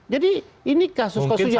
jadi ini kasus kasus yang besar